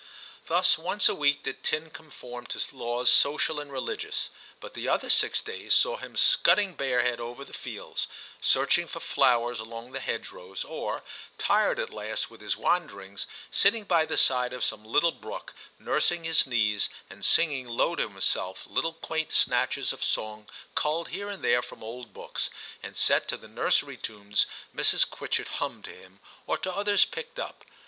Thus once a week did Tim conform to laws social and religious, but the other six days saw him scudding bareheaded over the fields, searching for flowers along the hedge rows, or, tired at last with his wanderings, sitting by the side of some little brook nursing his knees, and singing low to himself little quaint snatches of song culled here and there from old books, and set to the nursery tunes Mrs. Quitchett hummed to him, or to others picked up.